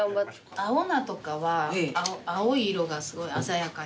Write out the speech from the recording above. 青菜とかは青い色がすごい鮮やかになる。